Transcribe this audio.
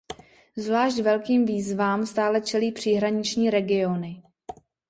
Zvlášť velkým výzvám stále čelí příhraniční regiony.